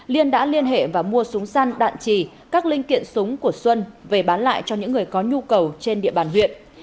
liên đã liên hệ và mua súng săn đạn trì các linh kiện súng của xuân về bán lại cho những người có nhu cầu trên địa bàn huyện